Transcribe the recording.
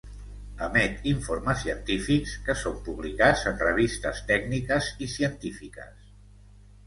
Emet informes científics que són publicats en revistes tècniques i científiques.